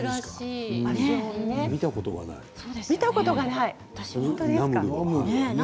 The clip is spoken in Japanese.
見たこともない。